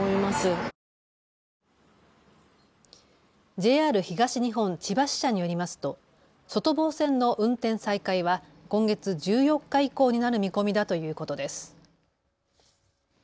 ＪＲ東日本千葉支社によりますと外房線の運転再開は今月１４日以降になる見込みだということです。